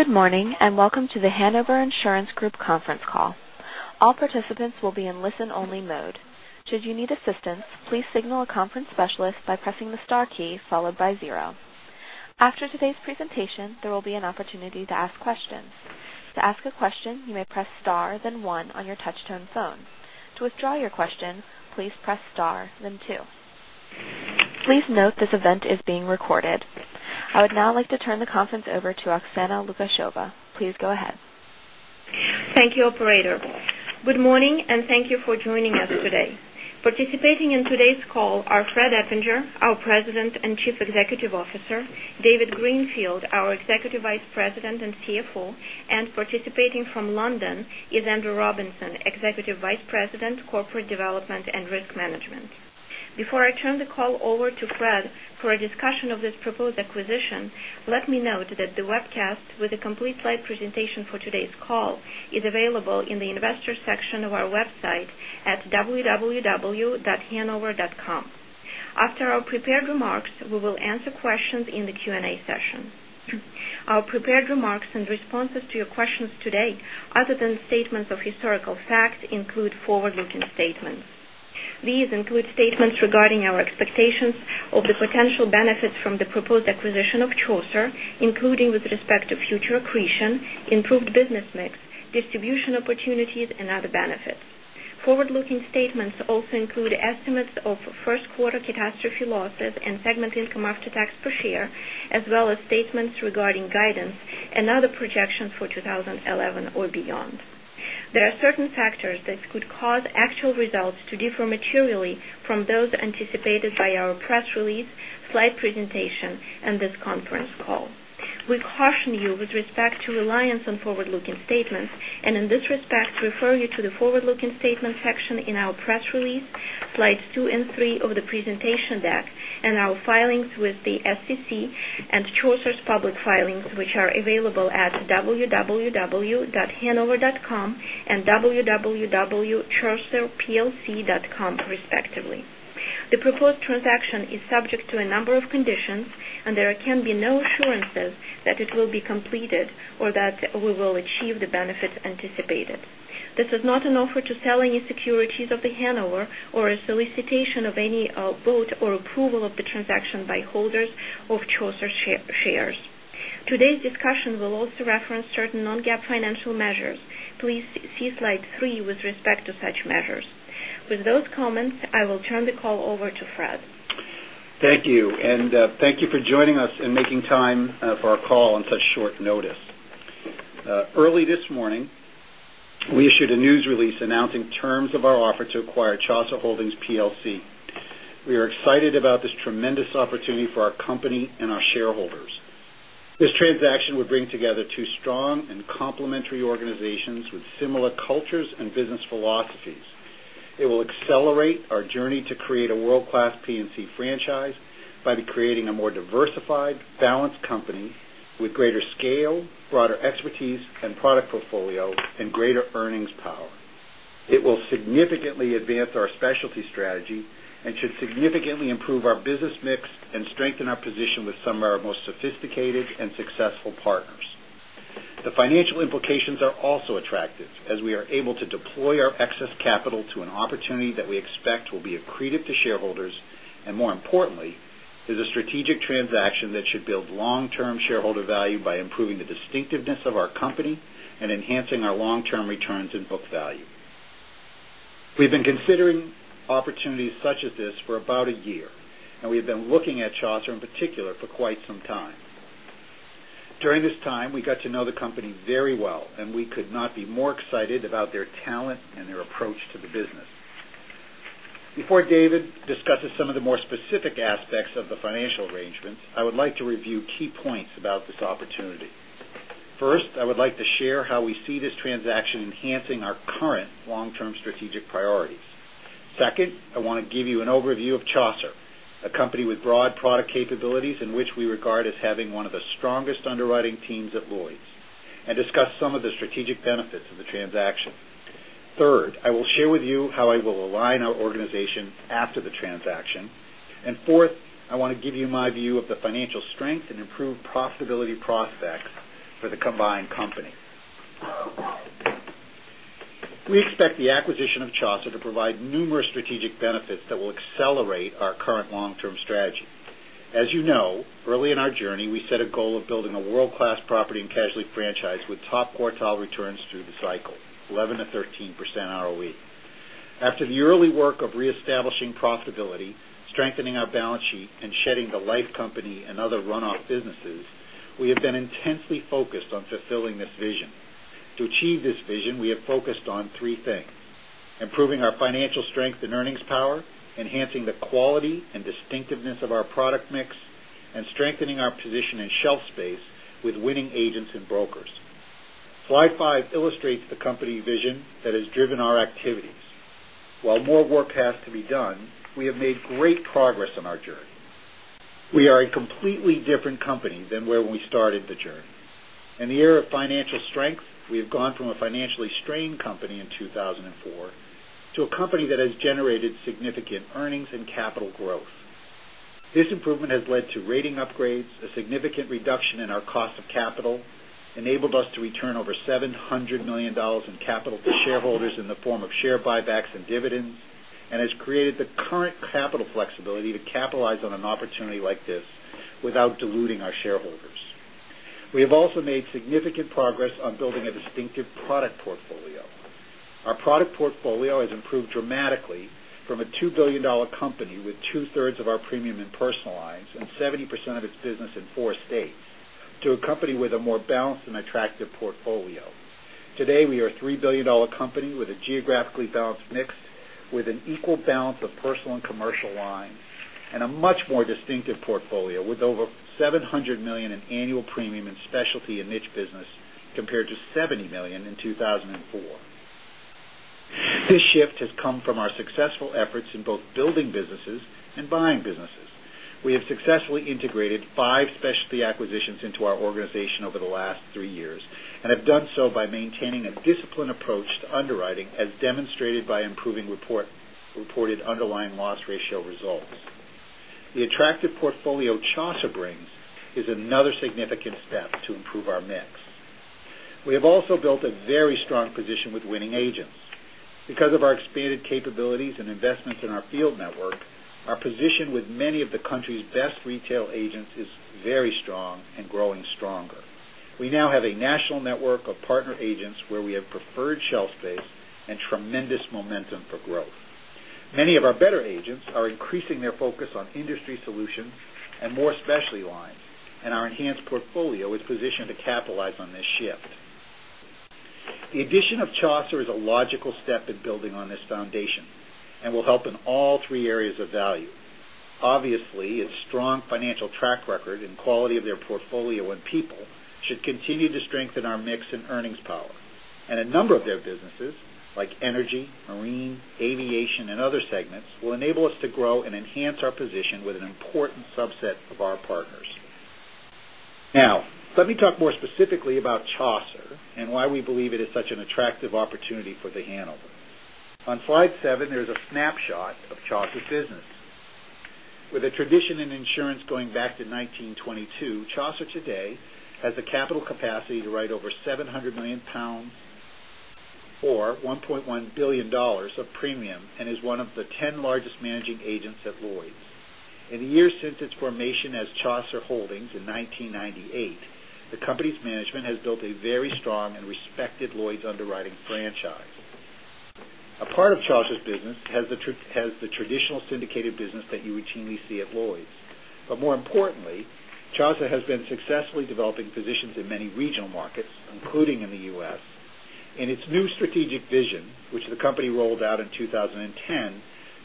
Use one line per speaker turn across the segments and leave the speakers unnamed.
Good morning. Welcome to The Hanover Insurance Group conference call. All participants will be in listen-only mode. Should you need assistance, please signal a conference specialist by pressing the star key followed by 0. After today's presentation, there will be an opportunity to ask questions. To ask a question, you may press star then 1 on your touch-tone phone. To withdraw your question, please press star then 2. Please note this event is being recorded. I would now like to turn the conference over to Oksana Lukasheva. Please go ahead.
Thank you, operator. Good morning. Thank you for joining us today. Participating in today's call are Fred Eppinger, our President and Chief Executive Officer, David Greenfield, our Executive Vice President and CFO, and participating from London is Andrew Robinson, Executive Vice President, Corporate Development and Risk Management. Before I turn the call over to Fred for a discussion of this proposed acquisition, let me note that the webcast with a complete slide presentation for today's call is available in the investors section of our website at www.hanover.com. After our prepared remarks, we will answer questions in the Q&A session. Our prepared remarks and responses to your questions today, other than statements of historical facts, include forward-looking statements. These include statements regarding our expectations of the potential benefits from the proposed acquisition of Chaucer, including with respect to future accretion, improved business mix, distribution opportunities, and other benefits. Forward-looking statements also include estimates of first-quarter catastrophe losses and segment income after tax per share, as well as statements regarding guidance and other projections for 2011 or beyond. There are certain factors that could cause actual results to differ materially from those anticipated by our press release, slide presentation, and this conference call. We caution you with respect to reliance on forward-looking statements, and in this respect, refer you to the forward-looking statements section in our press release, slides two and three of the presentation deck, and our filings with the SEC and Chaucer's public filings, which are available at www.hanover.com and www.chaucerplc.com respectively. The proposed transaction is subject to a number of conditions, and there can be no assurances that it will be completed or that we will achieve the benefits anticipated. This is not an offer to sell any securities of The Hanover or a solicitation of any vote or approval of the transaction by holders of Chaucer shares. Today's discussion will also reference certain non-GAAP financial measures. Please see slide three with respect to such measures. With those comments, I will turn the call over to Fred.
Thank you. Thank you for joining us and making time for our call on such short notice. Early this morning, we issued a news release announcing terms of our offer to acquire Chaucer Holdings plc. We are excited about this tremendous opportunity for our company and our shareholders. This transaction would bring together two strong and complementary organizations with similar cultures and business philosophies. It will accelerate our journey to create a world-class P&C franchise by creating a more diversified, balanced company with greater scale, broader expertise and product portfolio, and greater earnings power. It will significantly advance our specialty strategy and should significantly improve our business mix and strengthen our position with some of our most sophisticated and successful partners. The financial implications are also attractive, as we are able to deploy our excess capital to an opportunity that we expect will be accretive to shareholders and, more importantly, is a strategic transaction that should build long-term shareholder value by improving the distinctiveness of our company and enhancing our long-term returns and book value. We've been considering opportunities such as this for about a year. We have been looking at Chaucer in particular for quite some time. During this time, we got to know the company very well, and we could not be more excited about their talent and their approach to the business. Before David discusses some of the more specific aspects of the financial arrangements, I would like to review key points about this opportunity. First, I would like to share how we see this transaction enhancing our current long-term strategic priorities. Second, I want to give you an overview of Chaucer, a company with broad product capabilities and which we regard as having one of the strongest underwriting teams at Lloyd's, and discuss some of the strategic benefits of the transaction. Third, I will share with you how I will align our organization after the transaction. Fourth, I want to give you my view of the financial strength and improved profitability prospects for the combined company. We expect the acquisition of Chaucer to provide numerous strategic benefits that will accelerate our current long-term strategy. As you know, early in our journey, we set a goal of building a world-class property and casualty franchise with top-quartile returns through the cycle, 11%-13% ROE. After the early work of reestablishing profitability, strengthening our balance sheet, and shedding the life company and other runoff businesses, we have been intensely focused on fulfilling this vision. To achieve this vision, we have focused on three things: improving our financial strength and earnings power, enhancing the quality and distinctiveness of our product mix, and strengthening our position in shelf space with winning agents and brokers. Slide five illustrates the company vision that has driven our activities. While more work has to be done, we have made great progress on our journey. We are a completely different company than where we started the journey. In the era of financial strength, we have gone from a financially strained company in 2004 to a company that has generated significant earnings and capital growth. This improvement has led to rating upgrades, a significant reduction in our cost of capital, enabled us to return over $700 million in capital to shareholders in the form of share buybacks and dividends, and has created the current capital flexibility to capitalize on an opportunity like this without diluting our shareholders. We have also made significant progress on building a distinctive product portfolio. Our product portfolio has improved dramatically from a $2 billion company with two-thirds of our premium in personal lines and 70% of its business in four states to a company with a more balanced and attractive portfolio. Today, we are a $3 billion company with a geographically balanced mix, with an equal balance of personal and commercial lines, and a much more distinctive portfolio, with over $700 million in annual premium in specialty and niche business compared to $70 million in 2004. This shift has come from our successful efforts in both building businesses and buying businesses. We have successfully integrated five specialty acquisitions into our organization over the last three years, and have done so by maintaining a disciplined approach to underwriting, as demonstrated by improving reported underlying loss ratio results. The attractive portfolio Chaucer brings is another significant step to improve our mix. We have also built a very strong position with winning agents. Because of our expanded capabilities and investments in our field network, our position with many of the country's best retail agents is very strong and growing stronger. We now have a national network of partner agents where we have preferred shelf space and tremendous momentum for growth. Many of our better agents are increasing their focus on industry solutions and more specialty lines, and our enhanced portfolio is positioned to capitalize on this shift. The addition of Chaucer is a logical step in building on this foundation and will help in all three areas of value. Obviously, its strong financial track record and quality of their portfolio and people should continue to strengthen our mix and earnings power. A number of their businesses, like energy, marine, aviation, and other segments, will enable us to grow and enhance our position with an important subset of our partners. Let me talk more specifically about Chaucer and why we believe it is such an attractive opportunity for The Hanover. On slide seven, there's a snapshot of Chaucer's business. With a tradition in insurance going back to 1922, Chaucer today has the capital capacity to write over 700 million pounds or $1.1 billion of premium and is one of the 10 largest managing agents at Lloyd's. In the years since its formation as Chaucer Holdings in 1998, the company's management has built a very strong and respected Lloyd's underwriting franchise. A part of Chaucer's business has the traditional syndicated business that you routinely see at Lloyd's. More importantly, Chaucer has been successfully developing positions in many regional markets, including in the U.S. In its new strategic vision, which the company rolled out in 2010,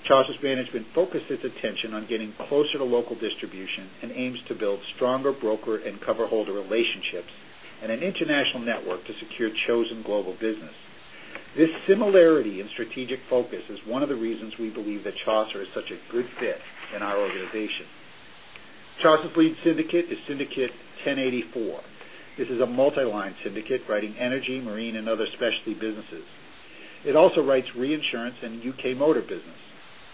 Chaucer's management focused its attention on getting closer to local distribution and aims to build stronger broker and coverholder relationships and an international network to secure chosen global business. This similarity in strategic focus is one of the reasons we believe that Chaucer is such a good fit in our organization. Chaucer's lead syndicate is Syndicate 1084. This is a multi-line syndicate writing energy, marine, and other specialty businesses. It also writes reinsurance and U.K. motor business,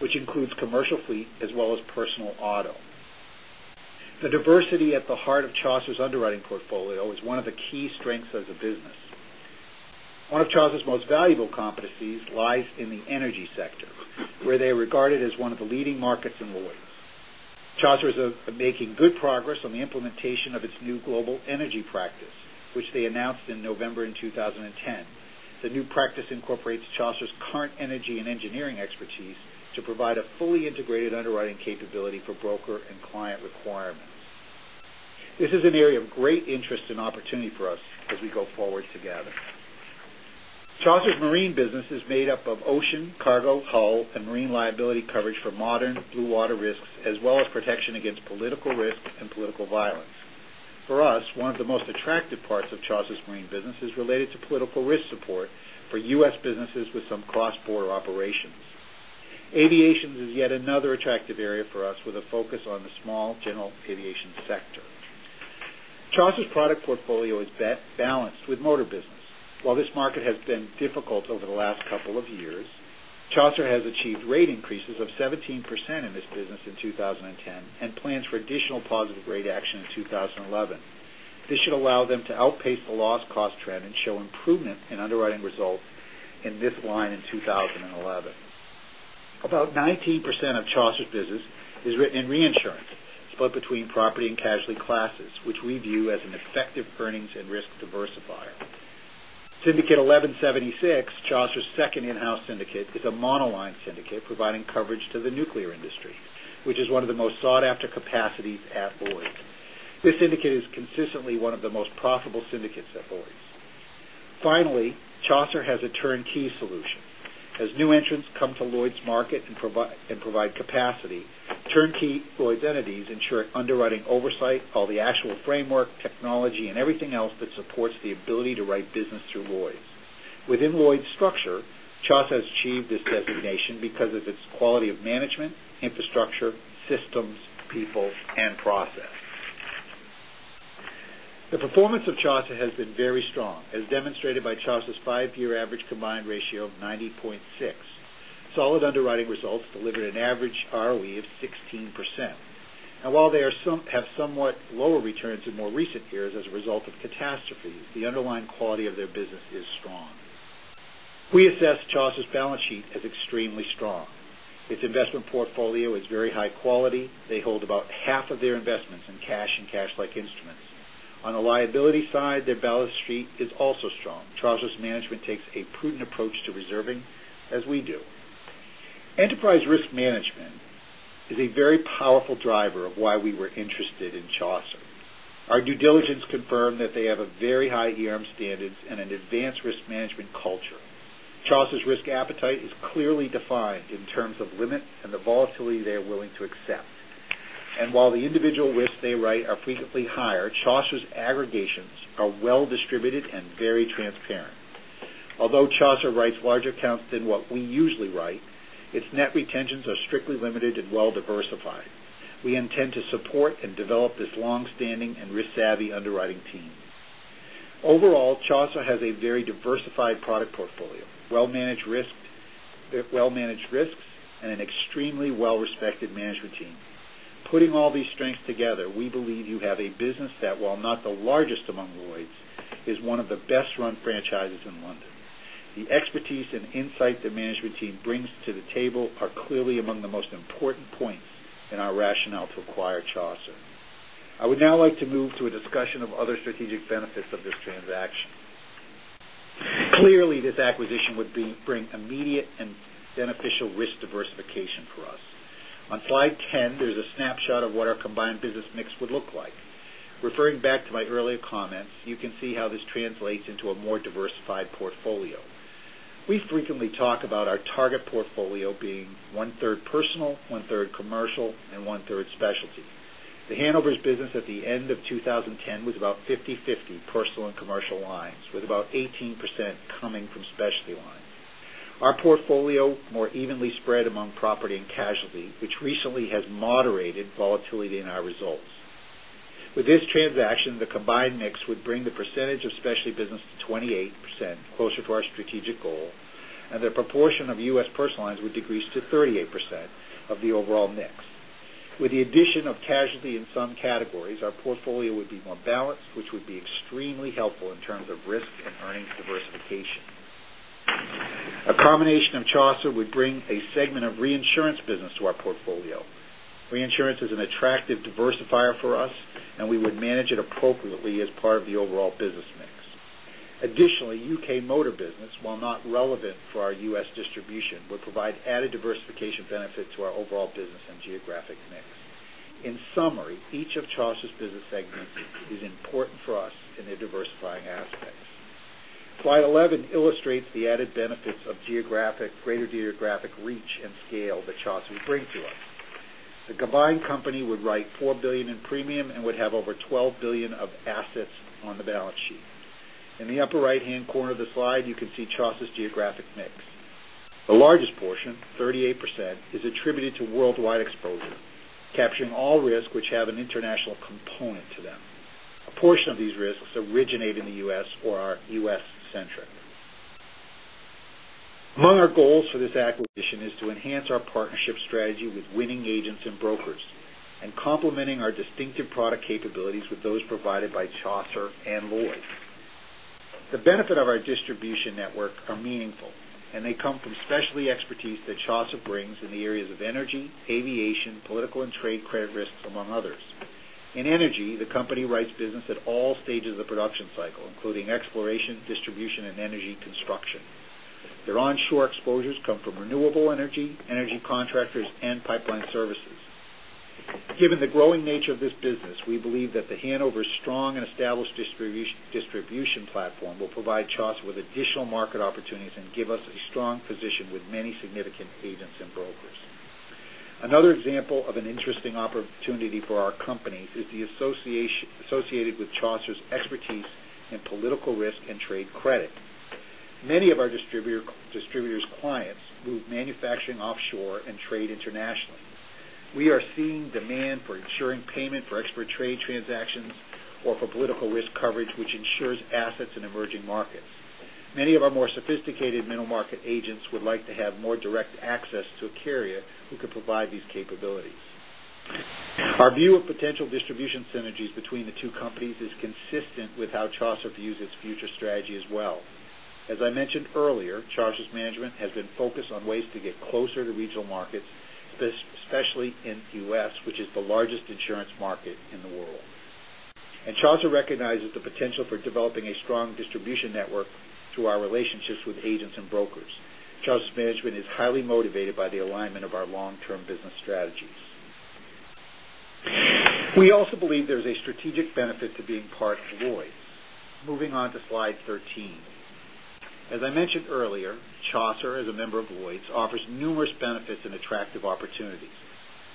which includes commercial fleet as well as personal auto. The diversity at the heart of Chaucer's underwriting portfolio is one of the key strengths of the business. One of Chaucer's most valuable competencies lies in the energy sector, where they are regarded as one of the leading markets in Lloyd's. Chaucer is making good progress on the implementation of its new global energy practice, which they announced in November in 2010. The new practice incorporates Chaucer's current energy and engineering expertise to provide a fully integrated underwriting capability for broker and client requirements. This is an area of great interest and opportunity for us as we go forward together. Chaucer's marine business is made up of ocean, cargo, hull, and marine liability coverage for modern blue water risks, as well as protection against political risk and political violence. For us, one of the most attractive parts of Chaucer's marine business is related to political risk support for U.S. businesses with some cross-border operations. Aviation is yet another attractive area for us, with a focus on the small general aviation sector. Chaucer's product portfolio is balanced with motor business. While this market has been difficult over the last couple of years, Chaucer has achieved rate increases of 17% in this business in 2010 and plans for additional positive rate action in 2011. This should allow them to outpace the loss cost trend and show improvement in underwriting results in this line in 2011. About 19% of Chaucer's business is written in reinsurance. It's split between property and casualty classes, which we view as an effective earnings and risk diversifier. Syndicate 1176, Chaucer's second in-house syndicate, is a monoline syndicate providing coverage to the nuclear industry, which is one of the most sought-after capacities at Lloyd's. This syndicate is consistently one of the most profitable syndicates at Lloyd's. Finally, Chaucer has a turnkey solution. As new entrants come to Lloyd's market and provide capacity, turnkey Lloyd's entities ensure underwriting oversight, all the actual framework, technology, and everything else that supports the ability to write business through Lloyd's. Within Lloyd's structure, Chaucer has achieved this designation because of its quality of management, infrastructure, systems, people, and process. The performance of Chaucer has been very strong, as demonstrated by Chaucer's five-year average combined ratio of 90.6. Solid underwriting results delivered an average ROE of 16%. While they have somewhat lower returns in more recent years as a result of catastrophes, the underlying quality of their business is strong. We assess Chaucer's balance sheet as extremely strong. Its investment portfolio is very high quality. They hold about half of their investments in cash and cash-like instruments. On the liability side, their balance sheet is also strong. Chaucer's management takes a prudent approach to reserving, as we do. Enterprise risk management is a very powerful driver of why we were interested in Chaucer. Our due diligence confirmed that they have a very high ERM standards and an advanced risk management culture. Chaucer's risk appetite is clearly defined in terms of limit and the volatility they are willing to accept. While the individual risks they write are frequently higher, Chaucer's aggregations are well-distributed and very transparent. Although Chaucer writes larger accounts than what we usually write, its net retentions are strictly limited and well-diversified. We intend to support and develop this longstanding and risk-savvy underwriting team. Overall, Chaucer has a very diversified product portfolio, well-managed risks, and an extremely well-respected management team. Putting all these strengths together, we believe you have a business that, while not the largest among Lloyd's, is one of the best-run franchises in London. The expertise and insight the management team brings to the table are clearly among the most important points in our rationale to acquire Chaucer. I would now like to move to a discussion of other strategic benefits of this transaction. Clearly, this acquisition would bring immediate and beneficial risk diversification for us. On slide 10, there's a snapshot of what our combined business mix would look like. Referring back to my earlier comments, you can see how this translates into a more diversified portfolio. We frequently talk about our target portfolio being one-third personal, one-third commercial, and one-third specialty. The Hanover's business at the end of 2010 was about 50/50 personal and commercial lines, with about 18% coming from specialty lines. Our portfolio more evenly spread among property and casualty, which recently has moderated volatility in our results. With this transaction, the combined mix would bring the percentage of specialty business to 28%, closer to our strategic goal, and the proportion of U.S. personal lines would decrease to 38% of the overall mix. With the addition of casualty in some categories, our portfolio would be more balanced, which would be extremely helpful in terms of risk and earnings diversification. A combination of Chaucer would bring a segment of reinsurance business to our portfolio. Reinsurance is an attractive diversifier for us, and we would manage it appropriately as part of the overall business mix. Additionally, U.K. motor business, while not relevant for our U.S. distribution, would provide added diversification benefit to our overall business and geographic mix. In summary, each of Chaucer's business segments is important for us in their diversifying aspects. Slide 11 illustrates the added benefits of greater geographic reach and scale that Chaucer would bring to us. The combined company would write $4 billion in premium and would have over $12 billion of assets on the balance sheet. In the upper right-hand corner of the slide, you can see Chaucer's geographic mix. The largest portion, 38%, is attributed to worldwide exposure, capturing all risks which have an international component to them. A portion of these risks originate in the U.S. or are U.S.-centric. Among our goals for this acquisition is to enhance our partnership strategy with winning agents and brokers and complementing our distinctive product capabilities with those provided by Chaucer and Lloyd's. The benefit of our distribution network are meaningful, and they come from specialty expertise that Chaucer brings in the areas of energy, aviation, political and trade credit risks, among others. In energy, the company writes business at all stages of the production cycle, including exploration, distribution, and energy construction. Their onshore exposures come from renewable energy contractors, and pipeline services. Given the growing nature of this business, we believe that The Hanover's strong and established distribution platform will provide Chaucer with additional market opportunities and give us a strong position with many significant agents and brokers. Another example of an interesting opportunity for our companies is associated with Chaucer's expertise in political risk and trade credit. Many of our distributor's clients move manufacturing offshore and trade internationally. We are seeing demand for ensuring payment for export trade transactions or for political risk coverage, which insures assets in emerging markets. Many of our more sophisticated middle-market agents would like to have more direct access to a carrier who could provide these capabilities. Our view of potential distribution synergies between the two companies is consistent with how Chaucer views its future strategy as well. As I mentioned earlier, Chaucer's management has been focused on ways to get closer to regional markets, especially in the U.S., which is the largest insurance market in the world. Chaucer recognizes the potential for developing a strong distribution network through our relationships with agents and brokers. Chaucer's management is highly motivated by the alignment of our long-term business strategies. We also believe there's a strategic benefit to being part of Lloyd's. Moving on to slide 13. As I mentioned earlier, Chaucer, as a member of Lloyd's, offers numerous benefits and attractive opportunities.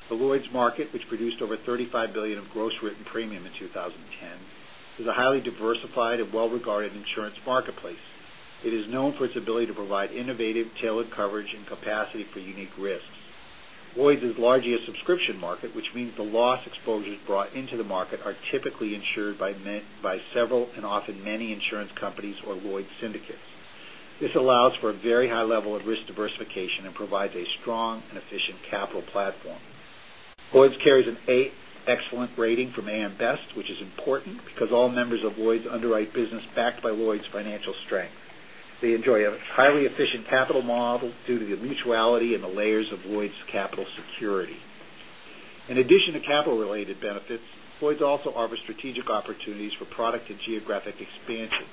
The Lloyd's market, which produced over $35 billion of gross written premium in 2010, is a highly diversified and well-regarded insurance marketplace. It is known for its ability to provide innovative, tailored coverage and capacity for unique risks. Lloyd's is largely a subscription market, which means the loss exposures brought into the market are typically insured by several and often many insurance companies or Lloyd's syndicates. This allows for a very high level of risk diversification and provides a strong and efficient capital platform. Lloyd's carries an A excellent rating from AM Best, which is important because all members of Lloyd's underwrite business backed by Lloyd's financial strength. They enjoy a highly efficient capital model due to the mutuality and the layers of Lloyd's capital security. In addition to capital-related benefits, Lloyd's also offers strategic opportunities for product and geographic expansion,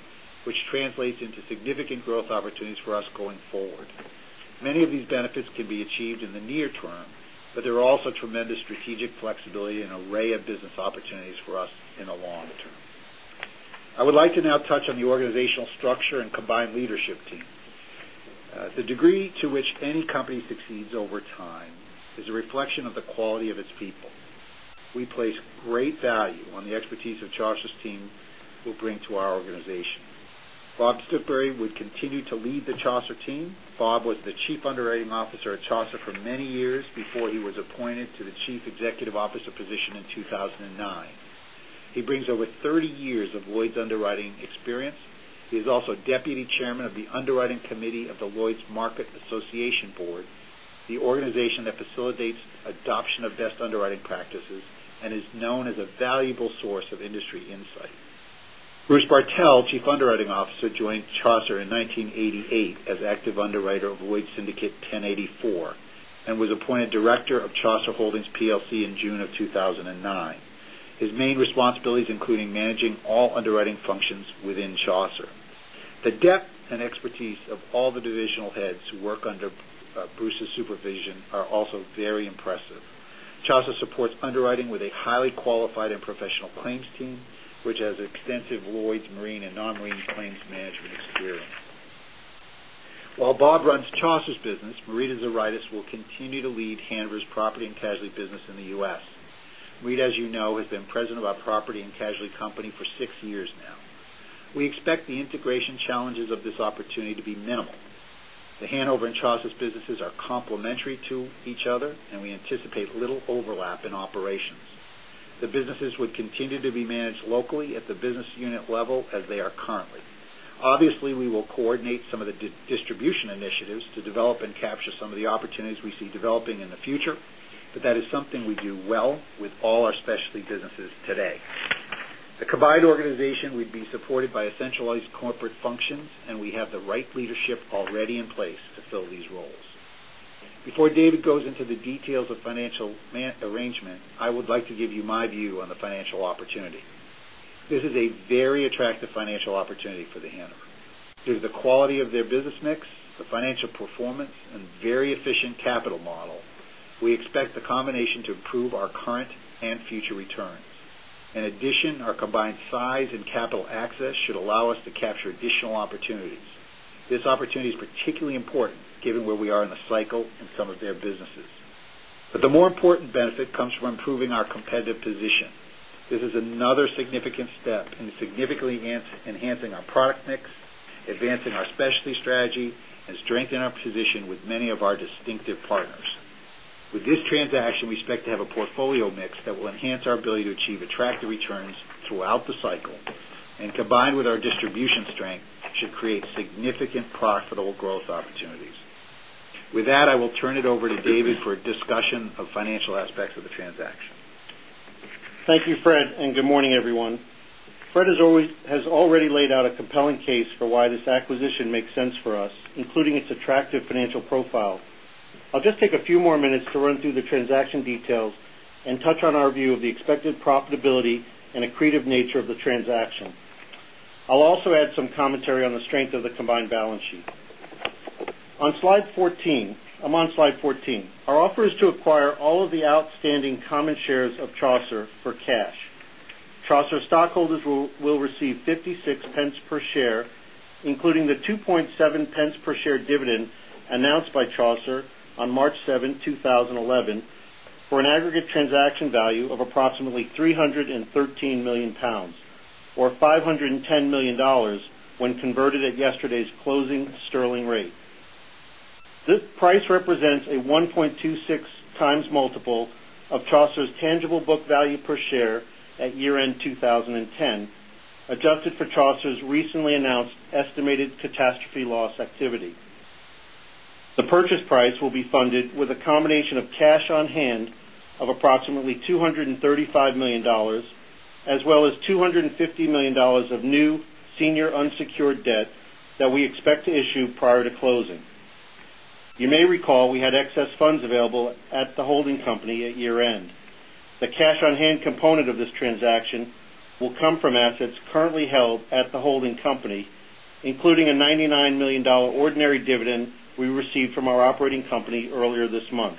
which translates into significant growth opportunities for us going forward. Many of these benefits can be achieved in the near term, but there are also tremendous strategic flexibility and array of business opportunities for us in the long term. I would like to now touch on the organizational structure and combined leadership team. The degree to which any company succeeds over time is a reflection of the quality of its people. We place great value on the expertise of Chaucer's team will bring to our organization. Bob Stuchbery would continue to lead the Chaucer team. Bob was the Chief Underwriting Officer at Chaucer for many years before he was appointed to the Chief Executive Officer position in 2009. He brings over 30 years of Lloyd's underwriting experience. He is also Deputy Chairman of the Underwriting Committee of the Lloyd's Market Association Board, the organization that facilitates adoption of best underwriting practices and is known as a valuable source of industry insight. Bruce Bartell, Chief Underwriting Officer, joined Chaucer in 1988 as active underwriter of Lloyd's Syndicate 1084, and was appointed Director of Chaucer Holdings plc in June of 2009. His main responsibilities include managing all underwriting functions within Chaucer. The depth and expertise of all the divisional heads who work under Bruce's supervision are also very impressive. Chaucer supports underwriting with a highly qualified and professional claims team, which has extensive Lloyd's marine and non-marine claims management experience. While Bob runs Chaucer's business, Marita Zuraitis will continue to lead Hanover's property and casualty business in the U.S. Marita, as you know, has been president of our property and casualty company for six years now. We expect the integration challenges of this opportunity to be minimal. The Hanover and Chaucer's businesses are complementary to each other, and we anticipate little overlap in operations. The businesses would continue to be managed locally at the business unit level as they are currently. Obviously, we will coordinate some of the distribution initiatives to develop and capture some of the opportunities we see developing in the future, but that is something we do well with all our specialty businesses today. The combined organization would be supported by centralized corporate functions, and we have the right leadership already in place to fill these roles. Before David goes into the details of financial arrangement, I would like to give you my view on the financial opportunity. This is a very attractive financial opportunity for The Hanover. Through the quality of their business mix, the financial performance, and very efficient capital model, we expect the combination to improve our current and future returns. In addition, our combined size and capital access should allow us to capture additional opportunities. This opportunity is particularly important given where we are in the cycle in some of their businesses. The more important benefit comes from improving our competitive position. This is another significant step in significantly enhancing our product mix, advancing our specialty strategy, and strengthening our position with many of our distinctive partners. With this transaction, we expect to have a portfolio mix that will enhance our ability to achieve attractive returns throughout the cycle, and combined with our distribution strength, should create significant profitable growth opportunities. With that, I will turn it over to David for a discussion of financial aspects of the transaction.
Thank you, Fred, and good morning, everyone. Fred has already laid out a compelling case for why this acquisition makes sense for us, including its attractive financial profile. I'll just take a few more minutes to run through the transaction details and touch on our view of the expected profitability and accretive nature of the transaction. I'll also add some commentary on the strength of the combined balance sheet. On slide 14. I'm on slide 14. Our offer is to acquire all of the outstanding common shares of Chaucer for cash. Chaucer stockholders will receive 0.56 per share, including the 0.027 per share dividend announced by Chaucer on March 7, 2011, for an aggregate transaction value of approximately 313 million pounds, or $510 million when converted at yesterday's closing sterling rate. This price represents a 1.26x multiple of Chaucer's tangible book value per share at year-end 2010, adjusted for Chaucer's recently announced estimated catastrophe loss activity. The purchase price will be funded with a combination of cash on hand of approximately $235 million, as well as $250 million of new senior unsecured debt that we expect to issue prior to closing. You may recall we had excess funds available at the holding company at year-end. The cash on hand component of this transaction will come from assets currently held at the holding company, including a $99 million ordinary dividend we received from our operating company earlier this month.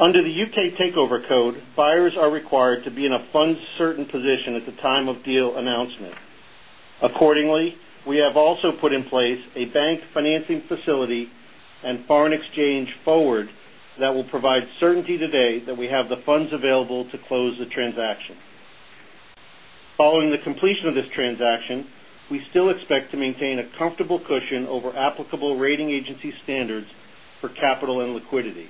Under the U.K. Takeover Code, buyers are required to be in a fund certain position at the time of deal announcement. We have also put in place a bank financing facility and foreign exchange forward that will provide certainty today that we have the funds available to close the transaction. Following the completion of this transaction, we still expect to maintain a comfortable cushion over applicable rating agency standards for capital and liquidity.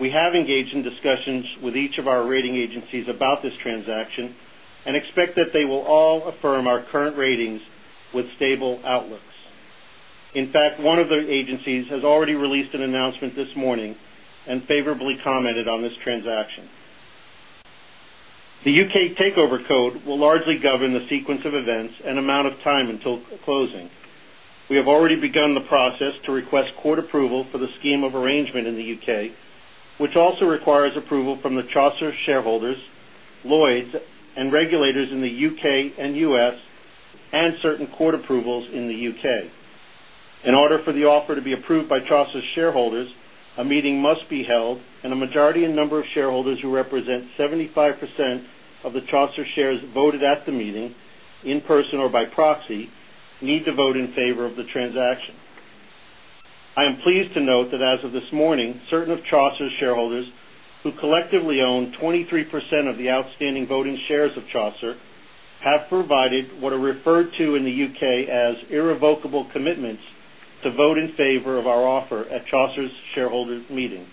We have engaged in discussions with each of our rating agencies about this transaction and expect that they will all affirm our current ratings with stable outlooks. In fact, one of the agencies has already released an announcement this morning and favorably commented on this transaction. The U.K. Takeover Code will largely govern the sequence of events and amount of time until closing. We have already begun the process to request court approval for the scheme of arrangement in the U.K., which also requires approval from the Chaucer shareholders, Lloyd's, and regulators in the U.K. and U.S., and certain court approvals in the U.K. In order for the offer to be approved by Chaucer's shareholders, a meeting must be held and a majority of number of shareholders who represent 75% of the Chaucer shares voted at the meeting, in person or by proxy, need to vote in favor of the transaction. I am pleased to note that as of this morning, certain of Chaucer's shareholders, who collectively own 23% of the outstanding voting shares of Chaucer, have provided what are referred to in the U.K. as irrevocable commitments to vote in favor of our offer at Chaucer's shareholders meeting.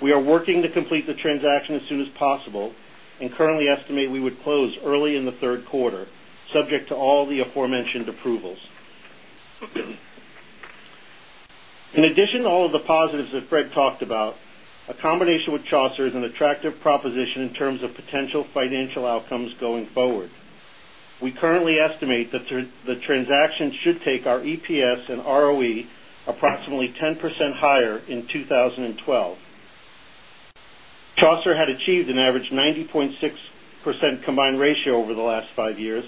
We are working to complete the transaction as soon as possible and currently estimate we would close early in the third quarter, subject to all the aforementioned approvals. In addition to all of the positives that Fred talked about, a combination with Chaucer is an attractive proposition in terms of potential financial outcomes going forward. We currently estimate that the transaction should take our EPS and ROE approximately 10% higher in 2012. Chaucer had achieved an average 90.6% combined ratio over the last five years,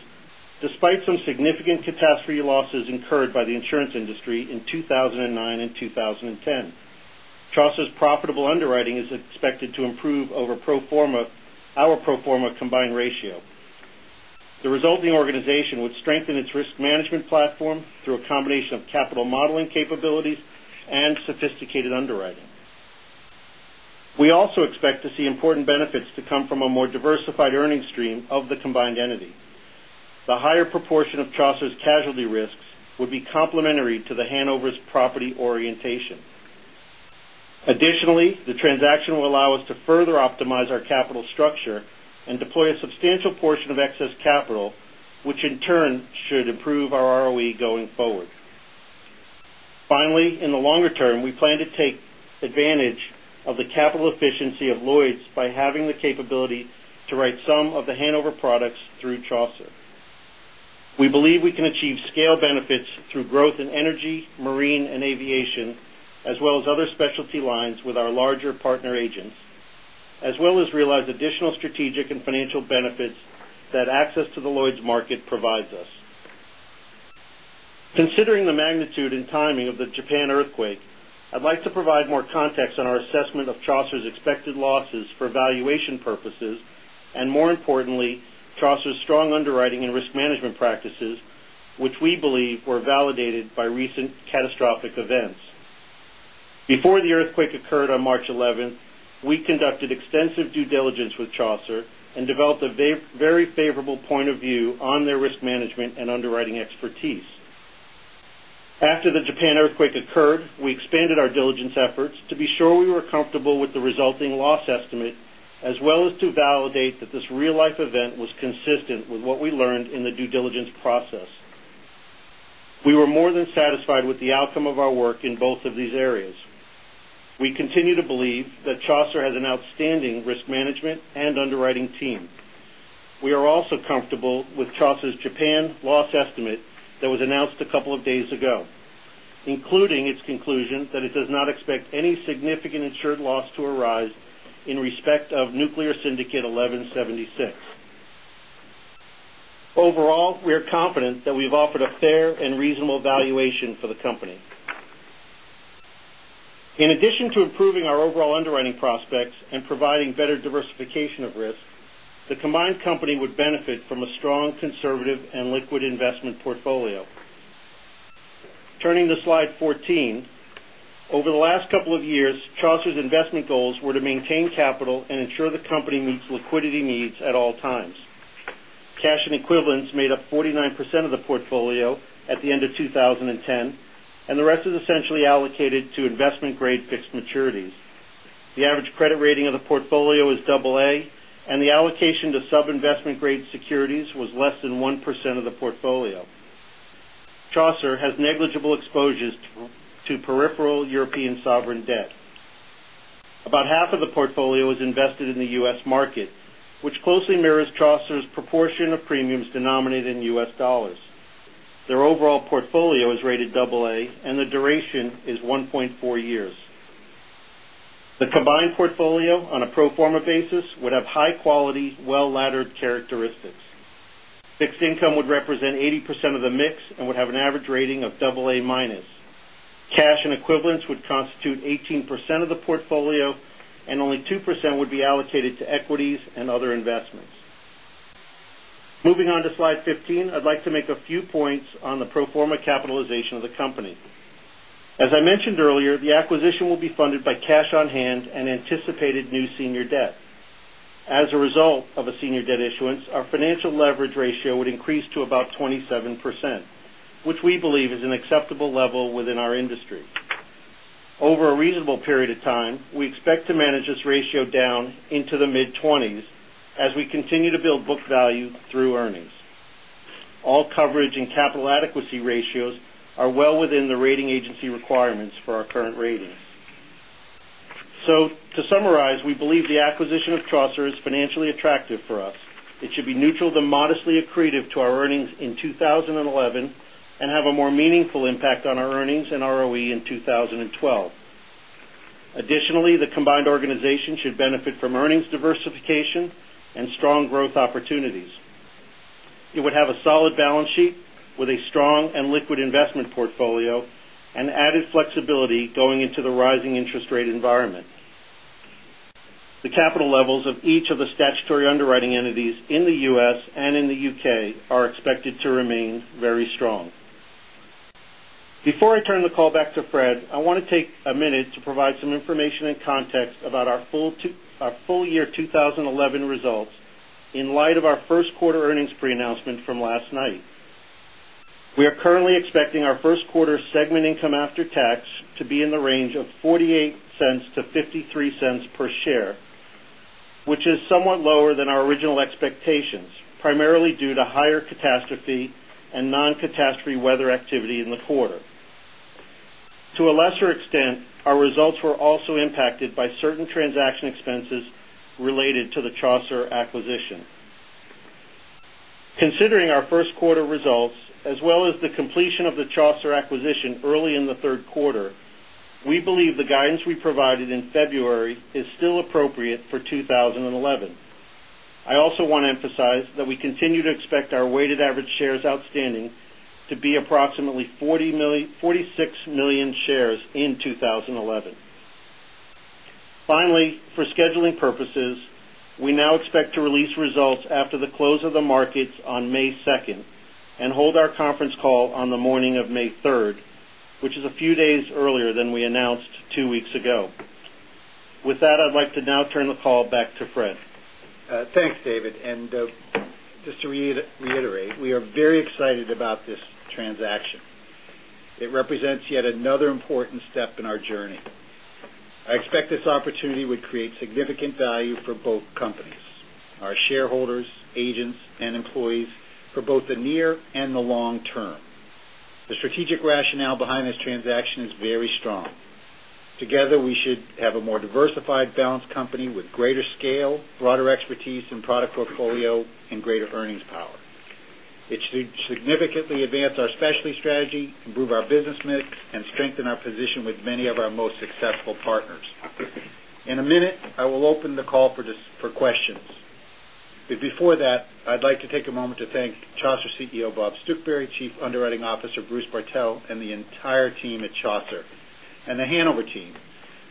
despite some significant catastrophe losses incurred by the insurance industry in 2009 and 2010. Chaucer's profitable underwriting is expected to improve over our pro forma combined ratio. The resulting organization would strengthen its risk management platform through a combination of capital modeling capabilities and sophisticated underwriting. We also expect to see important benefits to come from a more diversified earning stream of the combined entity. The higher proportion of Chaucer's casualty risks would be complementary to the Hanover's property orientation. Additionally, the transaction will allow us to further optimize our capital structure and deploy a substantial portion of excess capital, which in turn should improve our ROE going forward. Finally, in the longer term, we plan to take advantage of the capital efficiency of Lloyd's by having the capability to write some of the Hanover products through Chaucer. We believe we can achieve scale benefits through growth in energy, marine, and aviation, as well as other specialty lines with our larger partner agents, as well as realize additional strategic and financial benefits that access to the Lloyd's market provides us. Considering the magnitude and timing of the Japan earthquake, I'd like to provide more context on our assessment of Chaucer's expected losses for valuation purposes, and more importantly, Chaucer's strong underwriting and risk management practices, which we believe were validated by recent catastrophic events. Before the earthquake occurred on March 11th, we conducted extensive due diligence with Chaucer and developed a very favorable point of view on their risk management and underwriting expertise. After the Japan earthquake occurred, we expanded our diligence efforts to be sure we were comfortable with the resulting loss estimate, as well as to validate that this real-life event was consistent with what we learned in the due diligence process. We were more than satisfied with the outcome of our work in both of these areas. We continue to believe that Chaucer has an outstanding risk management and underwriting team. We are also comfortable with Chaucer's Japan loss estimate that was announced a couple of days ago, including its conclusion that it does not expect any significant insured loss to arise in respect of Nuclear Syndicate 1176. Overall, we are confident that we've offered a fair and reasonable valuation for the company. In addition to improving our overall underwriting prospects and providing better diversification of risk, the combined company would benefit from a strong conservative and liquid investment portfolio. Turning to slide 14. Over the last couple of years, Chaucer's investment goals were to maintain capital and ensure the company meets liquidity needs at all times. Cash and equivalents made up 49% of the portfolio at the end of 2010, and the rest is essentially allocated to investment-grade fixed maturities. The average credit rating of the portfolio is double A, and the allocation to sub-investment-grade securities was less than 1% of the portfolio. Chaucer has negligible exposures to peripheral European sovereign debt. About half of the portfolio is invested in the U.S. market, which closely mirrors Chaucer's proportion of premiums denominated in U.S. dollars. Their overall portfolio is rated double A, and the duration is 1.4 years. The combined portfolio on a pro forma basis would have high quality, well-laddered characteristics. Fixed income would represent 80% of the mix and would have an average rating of double A minus. Cash and equivalents would constitute 18% of the portfolio, and only 2% would be allocated to equities and other investments. Moving on to slide 15. I'd like to make a few points on the pro forma capitalization of the company. As I mentioned earlier, the acquisition will be funded by cash on hand and anticipated new senior debt. As a result of a senior debt issuance, our financial leverage ratio would increase to about 27%, which we believe is an acceptable level within our industry. Over a reasonable period of time, we expect to manage this ratio down into the mid-20s as we continue to build book value through earnings. All coverage and capital adequacy ratios are well within the rating agency requirements for our current ratings. To summarize, we believe the acquisition of Chaucer is financially attractive for us. It should be neutral to modestly accretive to our earnings in 2011 and have a more meaningful impact on our earnings and ROE in 2012. Additionally, the combined organization should benefit from earnings diversification and strong growth opportunities. It would have a solid balance sheet with a strong and liquid investment portfolio and added flexibility going into the rising interest rate environment. The capital levels of each of the statutory underwriting entities in the U.S. and in the U.K. are expected to remain very strong. Before I turn the call back to Fred, I want to take a minute to provide some information and context about our full year 2011 results in light of our first quarter earnings pre-announcement from last night. We are currently expecting our first quarter segment income after tax to be in the range of $0.48-$0.53 per share, which is somewhat lower than our original expectations, primarily due to higher catastrophe and non-catastrophe weather activity in the quarter. To a lesser extent, our results were also impacted by certain transaction expenses related to the Chaucer acquisition. Considering our first quarter results as well as the completion of the Chaucer acquisition early in the third quarter, we believe the guidance we provided in February is still appropriate for 2011. I also want to emphasize that we continue to expect our weighted average shares outstanding to be approximately 46 million shares in 2011. For scheduling purposes, we now expect to release results after the close of the markets on May 2nd and hold our conference call on the morning of May 3rd, which is a few days earlier than we announced two weeks ago. With that, I'd like to now turn the call back to Fred.
Thanks, David. Just to reiterate, we are very excited about this transaction. It represents yet another important step in our journey. I expect this opportunity would create significant value for both companies, our shareholders, agents, and employees for both the near and the long term. The strategic rationale behind this transaction is very strong. Together, we should have a more diversified, balanced company with greater scale, broader expertise and product portfolio, and greater earnings power, which should significantly advance our specialty strategy, improve our business mix and strengthen our position with many of our most successful partners. In a minute, I will open the call for questions. Before that, I'd like to take a moment to thank Chaucer CEO Bob Stuchbery, Chief Underwriting Officer Bruce Bartell, and the entire team at Chaucer and the Hanover team,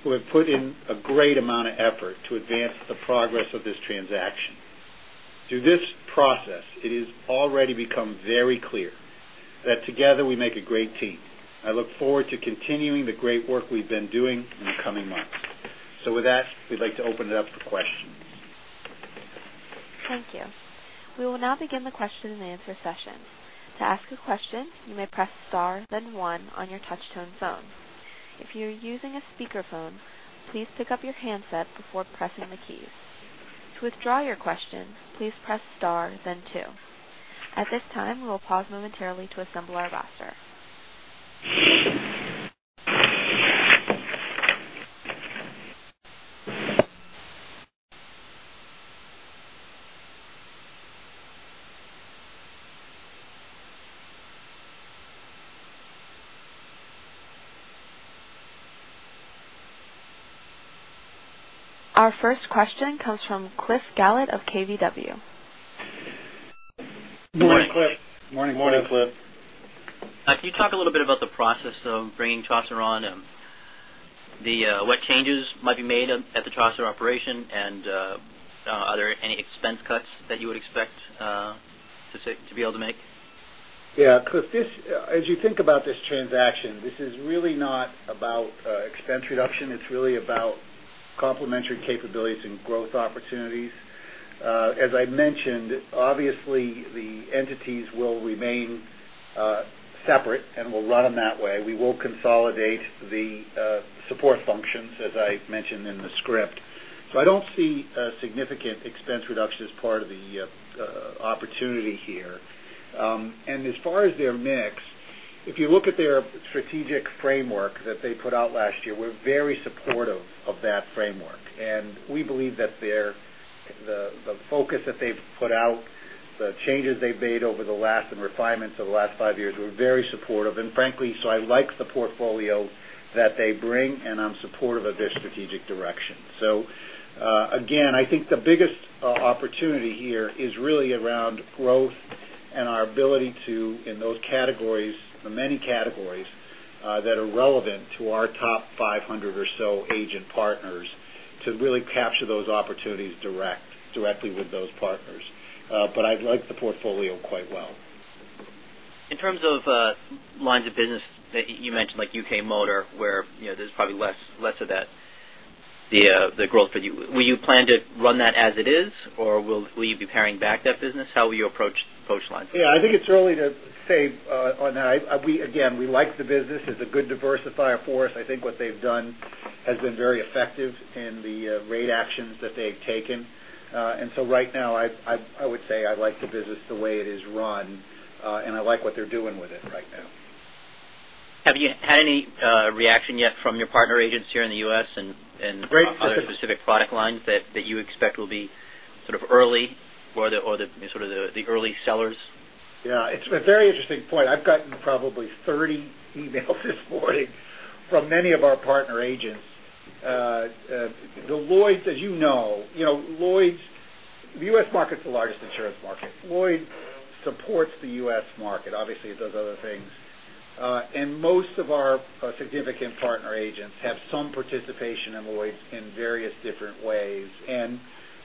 who have put in a great amount of effort to advance the progress of this transaction. Through this process, it has already become very clear that together we make a great team. I look forward to continuing the great work we've been doing in the coming months. With that, we'd like to open it up for questions.
Thank you. We will now begin the question and answer session. To ask a question, you may press star, then one on your touch tone phone. If you are using a speakerphone, please pick up your handset before pressing the keys. To withdraw your question, please press star, then two. At this time, we will pause momentarily to assemble our roster. Our first question comes from Cliff Gallant of KBW.
Morning, Cliff.
Morning, Cliff.
Morning, Cliff.
Can you talk a little bit about the process of bringing Chaucer on and what changes might be made at the Chaucer operation, and are there any expense cuts that you would expect to be able to make?
Cliff, as you think about this transaction, this is really not about expense reduction. It's really about complementary capabilities and growth opportunities. As I mentioned, obviously the entities will remain separate, and we'll run them that way. We will consolidate the support functions, as I mentioned in the script. I don't see a significant expense reduction as part of the opportunity here. As far as their mix, if you look at their strategic framework that they put out last year, we're very supportive of that framework, and we believe that the focus that they've put out, the changes they've made over the last, and refinements over the last five years, we're very supportive and frankly, I like the portfolio that they bring, and I'm supportive of their strategic direction. Again, I think the biggest opportunity here is really around growth and our ability to, in those categories, the many categories that are relevant to our top 500 or so agent partners To really capture those opportunities directly with those partners. I like the portfolio quite well.
In terms of lines of business that you mentioned, like U.K. Motor, where there's probably less of that growth for you, will you plan to run that as it is, or will you be paring back that business? How will you approach lines?
Yeah, I think it's early to say on that. Again, we like the business. It's a good diversifier for us. I think what they've done has been very effective in the rate actions that they've taken. Right now, I would say I like the business the way it is run, and I like what they're doing with it right now.
Have you had any reaction yet from your partner agents here in the U.S.?
A great.
Other specific product lines that you expect will be sort of early or the early sellers?
Yeah. It's a very interesting point. I've gotten probably 30 emails this morning from many of our partner agents. The U.S. market's the largest insurance market. Lloyd's supports the U.S. market. Obviously, it does other things. Most of our significant partner agents have some participation in Lloyd's in various different ways.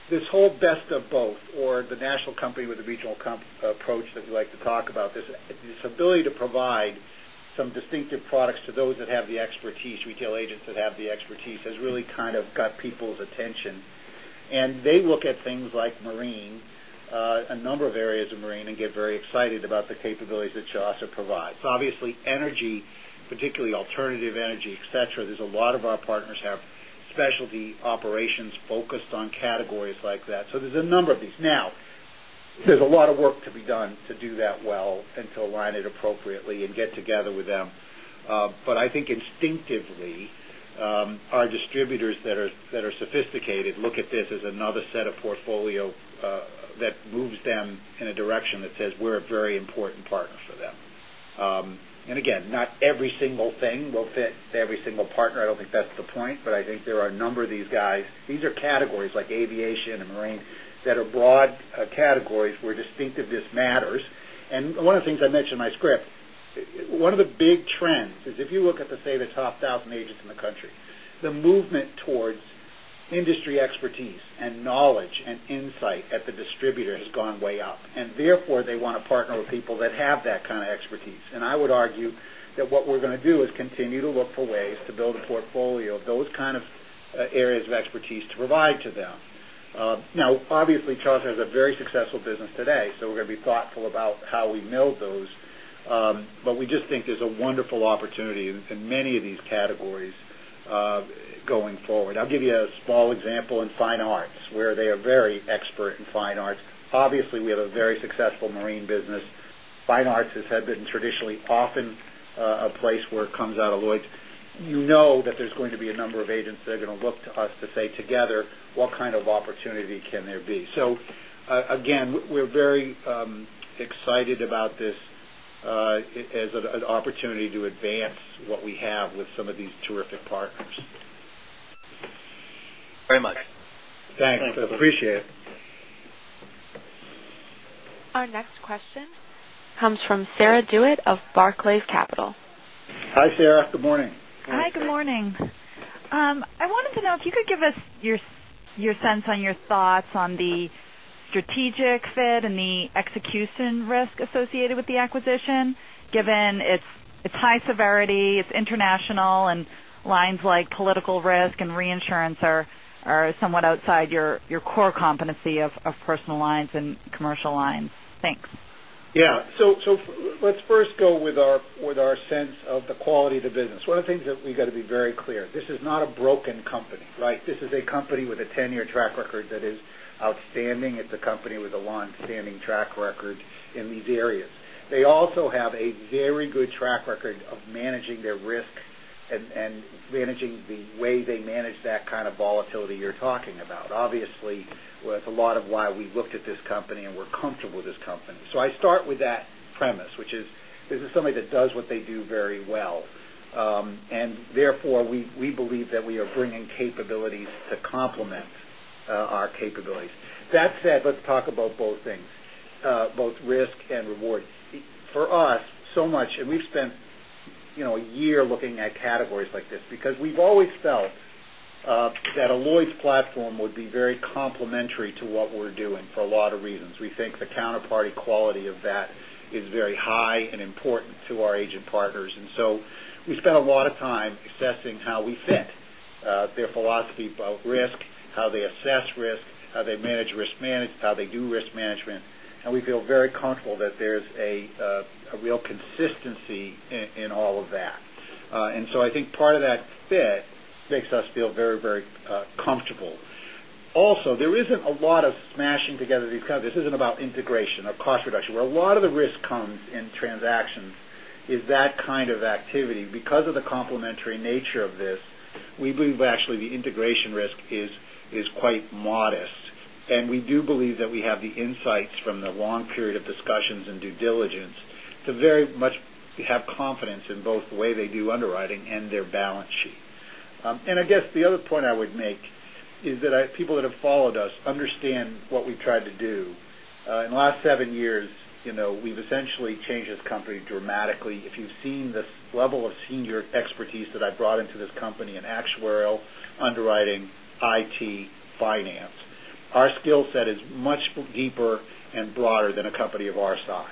This whole best of both or the national company with a regional approach that we like to talk about, this ability to provide some distinctive products to those that have the expertise, retail agents that have the expertise, has really kind of got people's attention. They look at things like marine, a number of areas of marine, and get very excited about the capabilities that Chaucer provide. Obviously energy, particularly alternative energy, et cetera, there's a lot of our partners have specialty operations focused on categories like that. There's a number of these. There's a lot of work to be done to do that well and to align it appropriately and get together with them. I think instinctively, our distributors that are sophisticated look at this as another set of portfolio that moves them in a direction that says we're a very important partner for them. Again, not every single thing will fit every single partner. I don't think that's the point, but I think there are a number of these guys. These are categories like aviation and marine that are broad categories where distinctiveness matters. One of the things I mentioned in my script, one of the big trends is if you look at the, say, the top 1,000 agents in the country, the movement towards industry expertise and knowledge and insight at the distributor has gone way up, and therefore they want to partner with people that have that kind of expertise. I would argue that what we're going to do is continue to look for ways to build a portfolio of those kind of areas of expertise to provide to them. Obviously, Chaucer has a very successful business today, we're going to be thoughtful about how we build those. We just think there's a wonderful opportunity in many of these categories going forward. I'll give you a small example in fine arts, where they are very expert in fine arts. Obviously, we have a very successful marine business. Fine arts has been traditionally often a place where it comes out of Lloyd's. You know that there's going to be a number of agents that are going to look to us to say, together, what kind of opportunity can there be? Again, we're very excited about this as an opportunity to advance what we have with some of these terrific partners.
Very much.
Thanks. I appreciate it.
Our next question comes from Sarah DeWitt of Barclays Capital.
Hi, Sarah. Good morning.
Hi. Good morning. I wanted to know if you could give us your sense and your thoughts on the strategic fit and the execution risk associated with the acquisition, given its high severity, it's international, and lines like political risk and reinsurance are somewhat outside your core competency of personal lines and commercial lines. Thanks.
Yeah. Let's first go with our sense of the quality of the business. One of the things that we've got to be very clear, this is not a broken company. This is a company with a 10-year track record that is outstanding. It's a company with a longstanding track record in these areas. They also have a very good track record of managing their risk and managing the way they manage that kind of volatility you're talking about. Obviously, that's a lot of why we looked at this company and we're comfortable with this company. I start with that premise, which is this is somebody that does what they do very well. Therefore, we believe that we are bringing capabilities to complement our capabilities. That said, let's talk about both things, both risk and reward. For us, so much, we've spent a year looking at categories like this because we've always felt that a Lloyd's platform would be very complementary to what we're doing for a lot of reasons. We think the counterparty quality of that is very high and important to our agent partners. We spent a lot of time assessing how we fit, their philosophy about risk, how they assess risk, how they manage risk, how they do risk management. We feel very comfortable that there's a real consistency in all of that. I think part of that fit makes us feel very comfortable. Also, there isn't a lot of smashing together. This isn't about integration or cost reduction, where a lot of the risk comes in transactions is that kind of activity. Because of the complementary nature of this, we believe actually the integration risk is quite modest. We do believe that we have the insights from the long period of discussions and due diligence to very much have confidence in both the way they do underwriting and their balance sheet. I guess the other point I would make is that people that have followed us understand what we've tried to do. In the last seven years, we've essentially changed this company dramatically. If you've seen this level of senior expertise that I've brought into this company in actuarial underwriting, IT, finance, our skill set is much deeper and broader than a company of our size.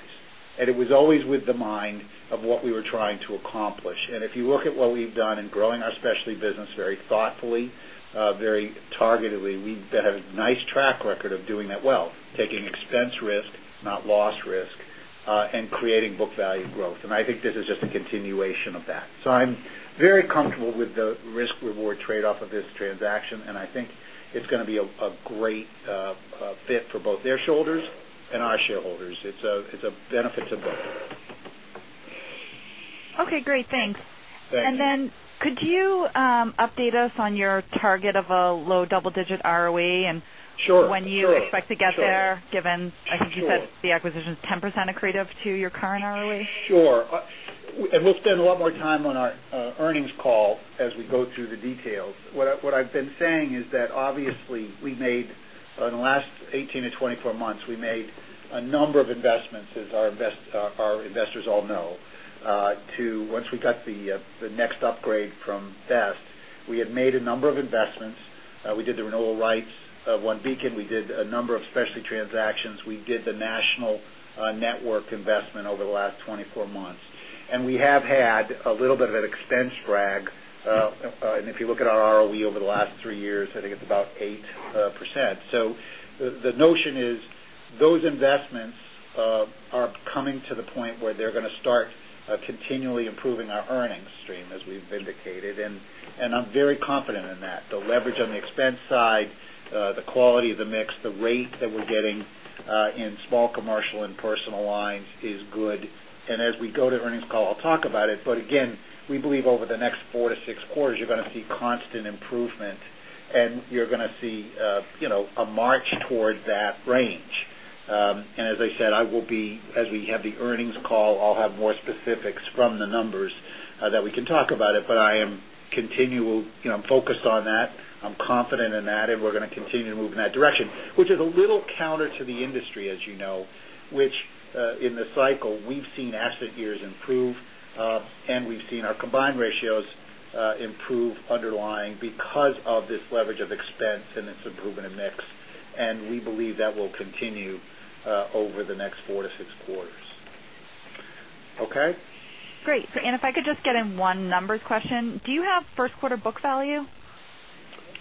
It was always with the mind of what we were trying to accomplish. If you look at what we've done in growing our specialty business very thoughtfully, very targetedly, we have a nice track record of doing that well, taking expense risk, not loss risk, and creating book value growth. I think this is just a continuation of that. I'm very comfortable with the risk-reward trade-off of this transaction, and I think it's going to be a great fit for both their shareholders and our shareholders. It's a benefit to both.
Okay, great. Thanks.
Thank you.
Could you update us on your target of a low double-digit ROE?
Sure
when you expect to get there, given, I think you said the acquisition is 10% accretive to your current ROE.
Sure. We'll spend a lot more time on our earnings call as we go through the details. What I've been saying is that obviously, in the last 18 to 24 months, we made a number of investments as our investors all know, once we got the next upgrade from Best. We had made a number of investments. We did the renewal rights of OneBeacon. We did a number of specialty transactions. We did the national network investment over the last 24 months. We have had a little bit of an expense drag. If you look at our ROE over the last three years, I think it's about 8%. The notion is those investments are coming to the point where they're going to start continually improving our earnings stream as we've indicated. I'm very confident in that. The leverage on the expense side, the quality of the mix, the rate that we're getting in small commercial and personal lines is good. As we go to earnings call, I'll talk about it. Again, we believe over the next four to six quarters, you're going to see constant improvement and you're going to see a march towards that range. As I said, as we have the earnings call, I'll have more specifics from the numbers that we can talk about it. I'm focused on that. I'm confident in that, and we're going to continue to move in that direction, which is a little counter to the industry, as you know, which, in the cycle, we've seen asset gears improve, and we've seen our combined ratios improve underlying because of this leverage of expense and its improvement in mix. We believe that will continue over the next four to six quarters. Okay?
Great. If I could just get in one numbers question, do you have first quarter book value?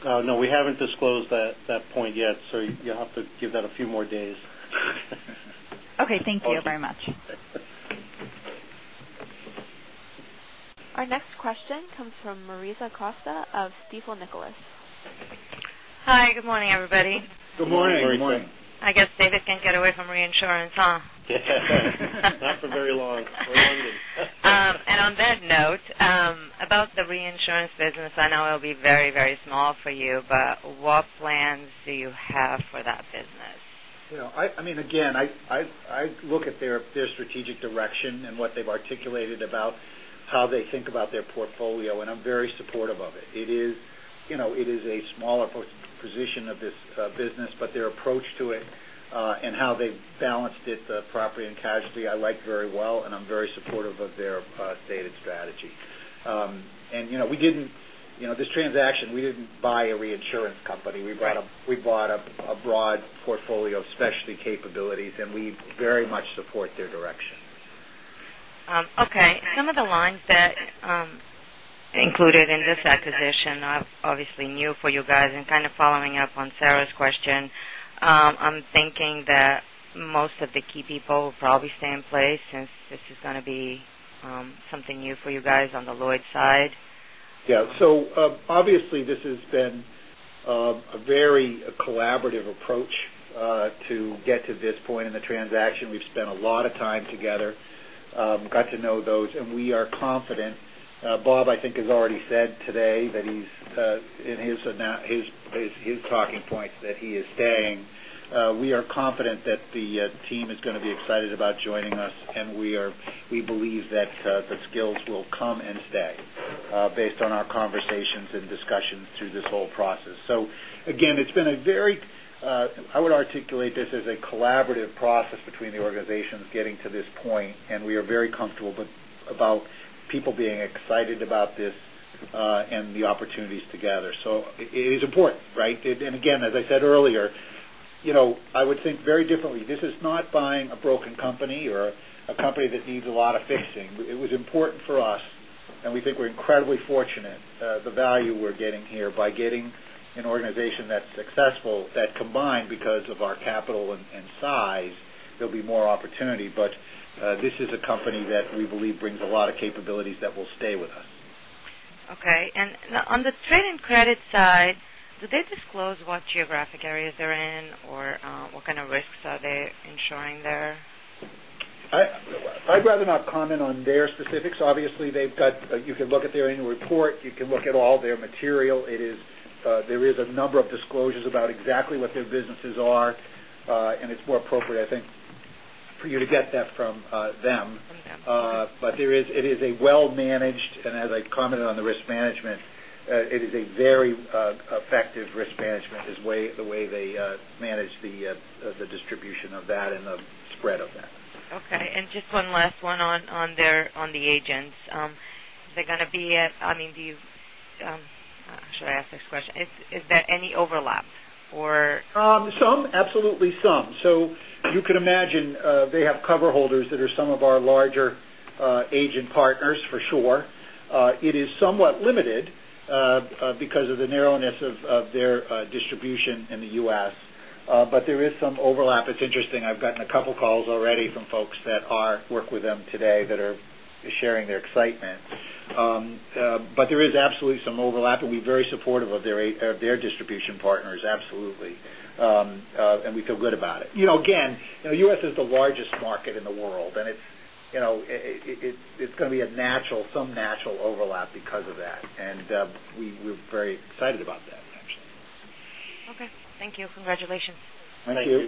No, we haven't disclosed that point yet, so you'll have to give that a few more days.
Okay. Thank you very much.
Our next question comes from Mariza Costa of Stifel Nicolaus.
Hi. Good morning, everybody.
Good morning.
Good morning. I guess David can't get away from reinsurance, huh?
Yeah. Not for very long or longer.
On that note, about the reinsurance business, I know it'll be very small for you, but what plans do you have for that business?
I look at their strategic direction and what they've articulated about how they think about their portfolio, and I'm very supportive of it. It is a smaller position of this business, but their approach to it and how they've balanced it, the property and casualty, I like very well, and I'm very supportive of their stated strategy. This transaction, we didn't buy a reinsurance company. We bought a broad portfolio of specialty capabilities, and we very much support their direction.
Some of the lines that included in this acquisition are obviously new for you guys and kind of following up on Sarah's question. I'm thinking that most of the key people will probably stay in place since this is going to be something new for you guys on the Lloyd's side.
Yeah. Obviously, this has been a very collaborative approach to get to this point in the transaction. We've spent a lot of time together, got to know those, and we are confident. Bob, I think, has already said today in his talking points that he is staying. We are confident that the team is going to be excited about joining us, and we believe that the skills will come and stay based on our conversations and discussions through this whole process. Again, I would articulate this as a collaborative process between the organizations getting to this point, and we are very comfortable about people being excited about this and the opportunities together. It is important, right? Again, as I said earlier, I would think very differently. This is not buying a broken company or a company that needs a lot of fixing. It was important for us, and we think we're incredibly fortunate the value we're getting here by getting an organization that's successful, that combined because of our capital and size, there'll be more opportunity. This is a company that we believe brings a lot of capabilities that will stay with us.
Okay. On the trade and credit side, do they disclose what geographic areas they're in, or what kind of risks are they insuring there?
I'd rather not comment on their specifics. Obviously, you can look at their annual report. You can look at all their material. There is a number of disclosures about exactly what their businesses are, and it's more appropriate, I think, for you to get that from them.
From them. Sure.
It is a well-managed, and as I commented on the risk management, it is a very effective risk management, is the way they manage the distribution of that and the spread of that.
Okay. Just one last one on the agents. Should I ask this question? Is there any overlap or?
Some, absolutely some. You could imagine, they have coverholders that are some of our larger agent partners, for sure. It is somewhat limited because of the narrowness of their distribution in the U.S. There is some overlap. It's interesting, I've gotten a couple of calls already from folks that work with them today that are sharing their excitement. There is absolutely some overlap, and we're very supportive of their distribution partners, absolutely. We feel good about it. Again, U.S. is the largest market in the world, and it's going to be some natural overlap because of that, and we're very excited about that, actually.
Okay. Thank you. Congratulations.
Thank you.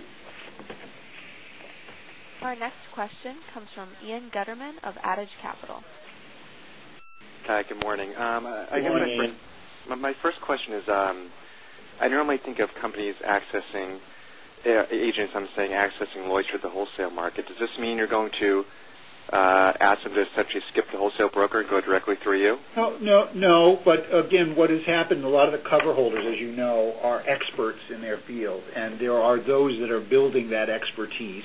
Our next question comes from Ian Gutterman of Adage Capital.
Hi, good morning.
Good morning.
My first question is, I normally think of companies accessing, agents, I'm saying, accessing Lloyd's or the wholesale market. Does this mean you're going to ask them to essentially skip the wholesale broker and go directly through you?
No, what has happened, a lot of the cover holders, as you know, are experts in their field. There are those that are building that expertise,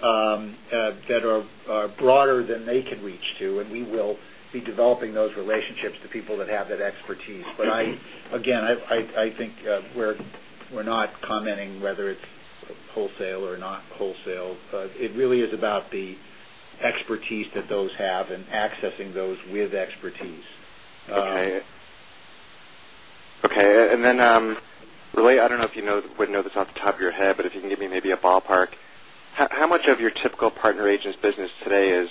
that are broader than they can reach to, and we will be developing those relationships to people that have that expertise. Again, I think we're not commenting whether it's wholesale or not wholesale. It really is about the expertise that those have and accessing those with expertise.
Okay. Really, I don't know if you would know this off the top of your head, but if you can give me maybe a ballpark. How much of your typical partner agent's business today is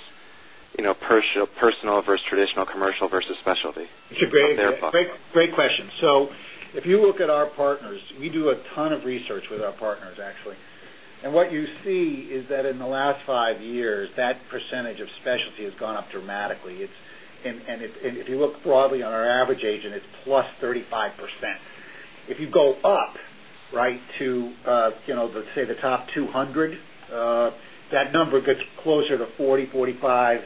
personal versus traditional commercial versus specialty?
It's a great question. If you look at our partners, we do a ton of research with our partners, actually. What you see is that in the last 5 years, that percentage of specialty has gone up dramatically. If you look broadly on our average agent, it's +35%. If you go up to let's say the top 200, that number gets closer to 40%-45%.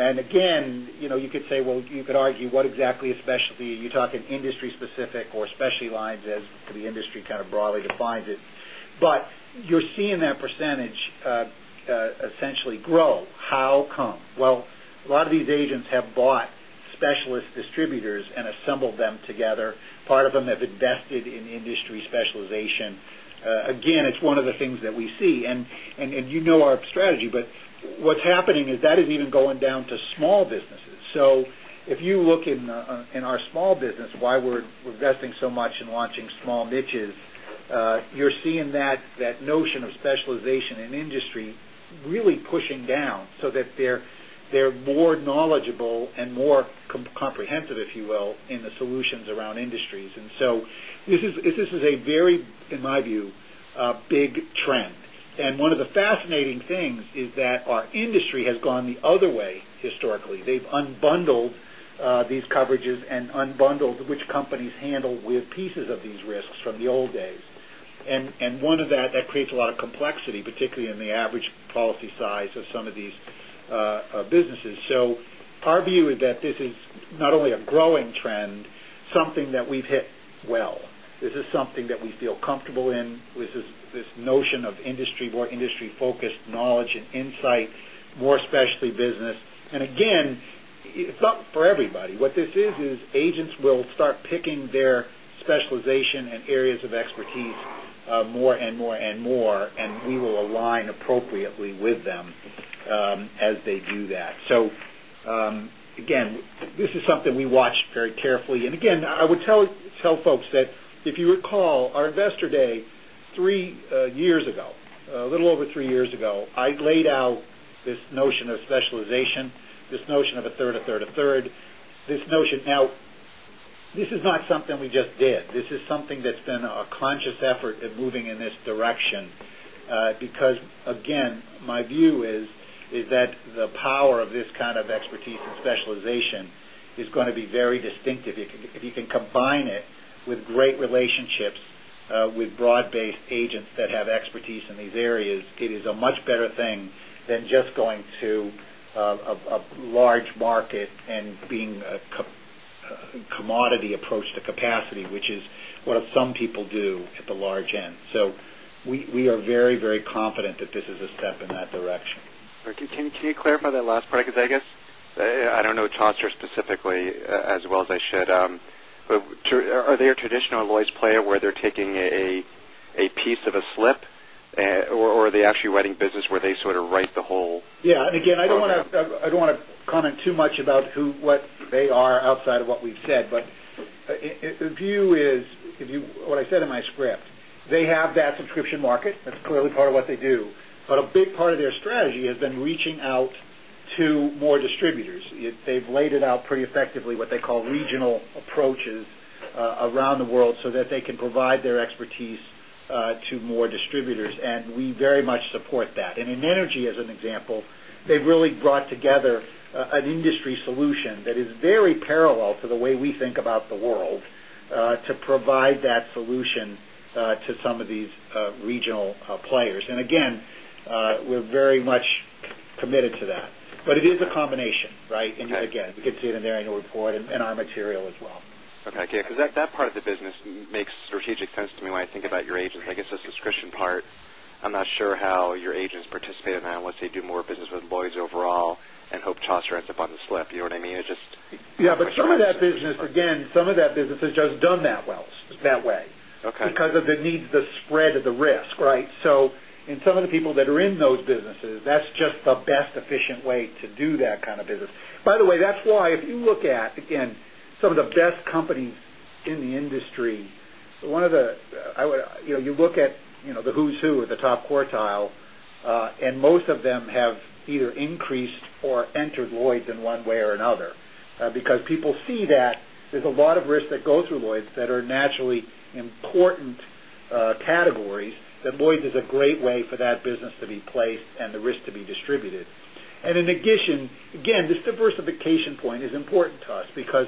Again, you could argue, what exactly is specialty? You're talking industry specific or specialty lines as the industry kind of broadly defines it. You're seeing that percentage essentially grow. How come? A lot of these agents have bought specialist distributors and assembled them together. Part of them have invested in industry specialization. Again, it's one of the things that we see. You know our strategy, but what's happening is that is even going down to small businesses. If you look in our small business, why we're investing so much in launching small niches, you're seeing that notion of specialization in industry really pushing down so that they're more knowledgeable and more comprehensive, if you will, in the solutions around industries. This is a very, in my view, big trend. One of the fascinating things is that our industry has gone the other way historically. They've unbundled these coverages and unbundled which companies handle with pieces of these risks from the old days. One of that creates a lot of complexity, particularly in the average policy size of some of these businesses. Our view is that this is not only a growing trend, something that we've hit well. This is something that we feel comfortable in with this notion of more industry-focused knowledge and insight, more specialty business. Again, it's not for everybody. What this is agents will start picking their specialization and areas of expertise more and more and more, and we will align appropriately with them as they do that. Again, this is something we watch very carefully. Again, I would tell folks that if you recall our investor day 3 years ago, a little over 3 years ago, I laid out this notion of specialization, this notion of a third, a third, a third. This is not something we just did. This is something that's been a conscious effort at moving in this direction. Again, my view is that the power of this kind of expertise and specialization is going to be very distinctive. If you can combine it with great relationships with broad-based agents that have expertise in these areas, it is a much better thing than just going to a large market and being a commodity approach to capacity, which is what some people do at the large end. We are very confident that this is a step in that direction.
Can you clarify that last part? I guess, I don't know Chaucer specifically as well as I should. Are they a traditional Lloyd's player where they're taking a piece of a slip, or are they actually writing business where they sort of write the whole program?
Yeah. Again, I don't want to comment too much about what they are outside of what we've said, the view is what I said in my script. They have that subscription market. That's clearly part of what they do. A big part of their strategy has been reaching out to more distributors. They've laid it out pretty effectively, what they call regional approaches around the world, so that they can provide their expertise to more distributors, we very much support that. In energy, as an example, they've really brought together an industry solution that is very parallel to the way we think about the world, to provide that solution to some of these regional players. Again, we're very much committed to that. It is a combination, right?
Okay.
Again, you can see it in the annual report and our material as well.
Okay. Yeah, that part of the business makes strategic sense to me when I think about your agents. I guess the subscription part, I'm not sure how your agents participate in that once they do more business with Lloyd's overall and hope toss rates up on the slip. You know what I mean?
Yeah. Some of that business, again, some of that business is just done that way.
Okay.
Because of the need to spread the risk, right? In some of the people that are in those businesses, that's just the best efficient way to do that kind of business. By the way, that's why if you look at, again, some of the best companies in the industry, you look at the who's who or the top quartile, most of them have either increased or entered Lloyd's in one way or another. Because people see that there's a lot of risk that goes through Lloyd's that are naturally important categories, that Lloyd's is a great way for that business to be placed and the risk to be distributed. In addition, again, this diversification point is important to us because,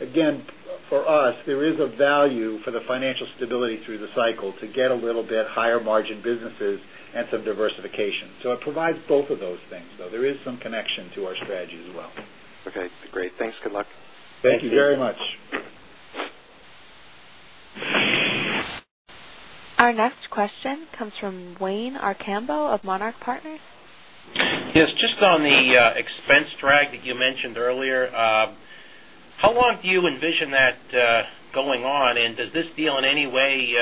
again, for us, there is a value for the financial stability through the cycle to get a little bit higher margin businesses and some diversification. It provides both of those things, though. There is some connection to our strategy as well.
Okay, great. Thanks. Good luck.
Thank you very much.
Our next question comes from Wayne Archambo of Monarch Partners.
Yes, just on the expense drag that you mentioned earlier, how long do you envision that going on, and does this deal in any way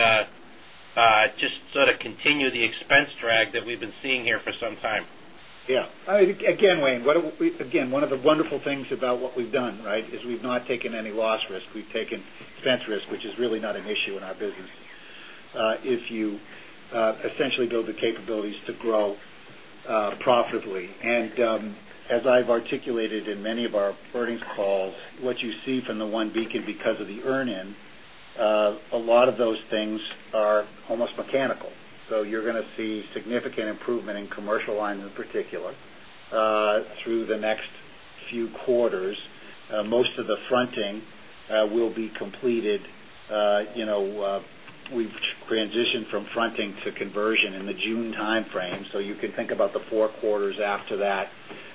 just sort of continue the expense drag that we've been seeing here for some time?
Again, Wayne, one of the wonderful things about what we've done is we've not taken any loss risk. We've taken expense risk, which is really not an issue in our business, if you essentially build the capabilities to grow profitably. As I've articulated in many of our earnings calls, what you see from the OneBeacon because of the earn-in, a lot of those things are almost mechanical. You're going to see significant improvement in commercial lines in particular through the next few quarters. Most of the fronting will be completed. We've transitioned from fronting to conversion in the June timeframe, so you can think about the four quarters after that,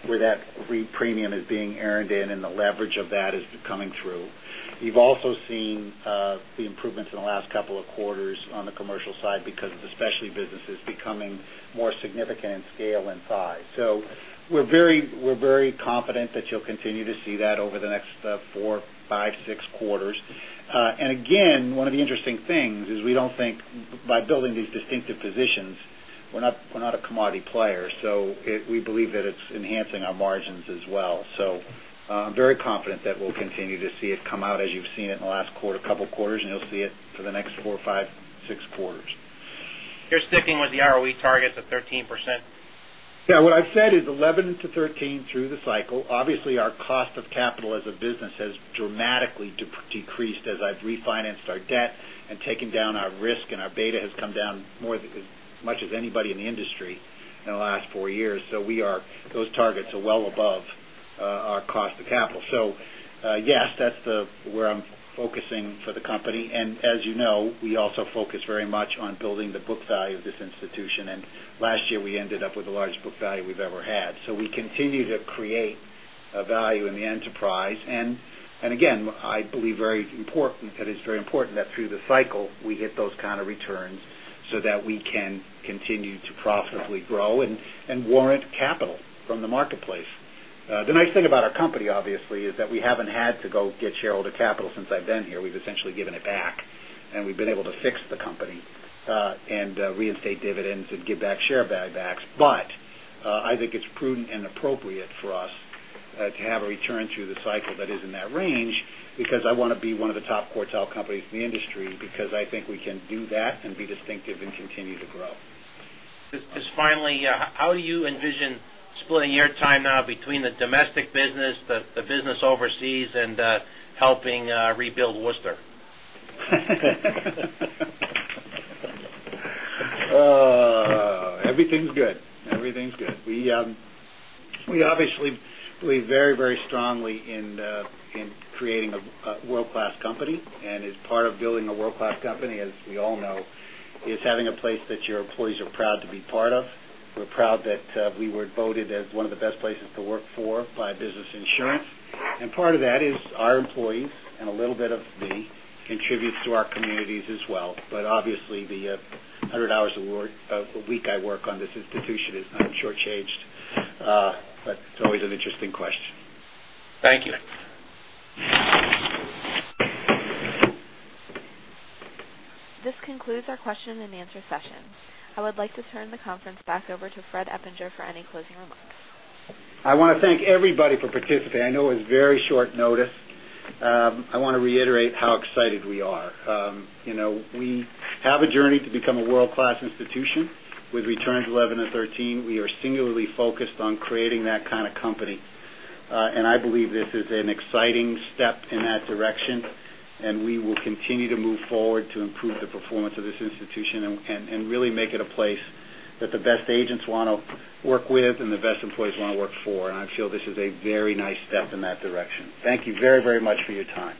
where that re-premium is being earned in, and the leverage of that is coming through. You've also seen the improvements in the last couple of quarters on the commercial side because of the specialty businesses becoming more significant in scale and size. We're very confident that you'll continue to see that over the next four, five, six quarters. Again, one of the interesting things is we don't think by building these distinctive positions, we're not a commodity player. We believe that it's enhancing our margins as well. I'm very confident that we'll continue to see it come out as you've seen it in the last couple quarters, and you'll see it for the next four, five, six quarters.
You're sticking with the ROE targets of 13%?
Yeah. What I've said is 11 to 13 through the cycle. Obviously, our cost of capital as a business has dramatically decreased as I've refinanced our debt and taken down our risk, and our beta has come down as much as anybody in the industry in the last four years. Those targets are well above our cost of capital. Yes, that's where I'm focusing for the company. As you know, we also focus very much on building the book value of this institution. Last year, we ended up with the largest book value we've ever had. We continue to create value in the enterprise. Again, I believe that it's very important that through the cycle, we hit those kind of returns so that we can continue to profitably grow and warrant capital from the marketplace. The nice thing about our company, obviously, is that we haven't had to go get shareholder capital since I've been here. We've essentially given it back, and we've been able to fix the company, and reinstate dividends and give back share buybacks. I think it's prudent and appropriate for us to have a return through the cycle that is in that range because I want to be one of the top quartile companies in the industry because I think we can do that and be distinctive and continue to grow.
Finally, how do you envision splitting your time now between the domestic business, the business overseas, and helping rebuild Worcester?
Everything's good. We obviously believe very strongly in creating a world-class company. As part of building a world-class company, as we all know, is having a place that your employees are proud to be part of. We're proud that we were voted as one of the best places to work for by Business Insurance. Part of that is our employees and a little bit of me contributes to our communities as well. Obviously, the 100 hours a week I work on this institution is not shortchanged. It's always an interesting question.
Thank you.
This concludes our question and answer session. I would like to turn the conference back over to Fred Eppinger for any closing remarks.
I want to thank everybody for participating. I know it was very short notice. I want to reiterate how excited we are. We have a journey to become a world-class institution with returns 11 and 13. We are singularly focused on creating that kind of company. I believe this is an exciting step in that direction, and we will continue to move forward to improve the performance of this institution and really make it a place that the best agents want to work with and the best employees want to work for. I feel this is a very nice step in that direction. Thank you very much for your time.